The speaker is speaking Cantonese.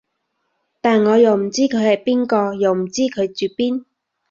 但我又唔知佢係邊個，又唔知佢住邊